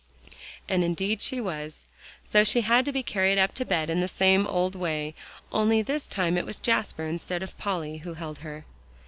And indeed she was. So she had to be carried up to bed in the same old way; only this time it was Jasper instead of Polly who held her.